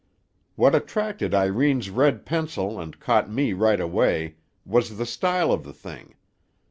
"What attracted Irene's red pencil, and caught me right away, was the style of the thing.